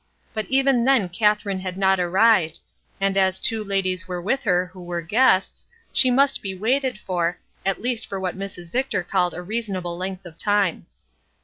But even then Katherine had not arrived, and as two ladies were with her who were guests, she must be waited for, at least for what Mrs. Victor called a " reasonable '' length of time.